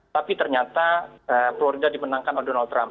tapi ternyata keluarga dimenangkan oleh donald trump